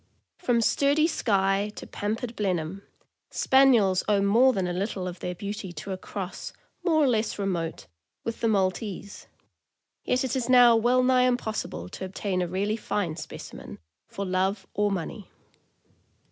From sturdy Skye to pampered Blenheim, Spaniels owe more than a little of their beauty to a cross, more or less remote, with the Mal tese; yet it is now well nigh impossible to obtain a really fine specimen, for love or money.